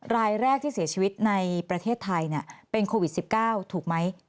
รายแรกที่เสียชีวิตในประเทศไทยเป็นโควิด๑๙ถูกไหม